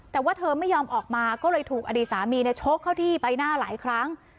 แต่ว่าเธอไม่ยอมออกมาก็เลยถูกอดีตสามีชกเข้าที่ใบหน้าหลายครั้ง